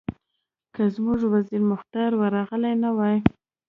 که زموږ وزیر مختار ورغلی نه وای.